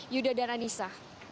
yuda dan anissa